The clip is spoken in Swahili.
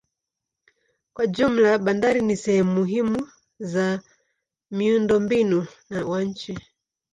Kwa jumla bandari ni sehemu muhimu za miundombinu wa nchi.